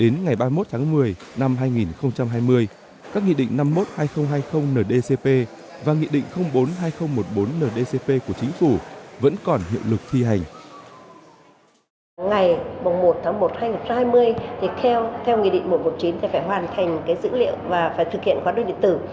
ngày một tháng một năm hai nghìn hai mươi theo nghị định một trăm một mươi chín phải hoàn thành dữ liệu và thực hiện hóa đơn điện tử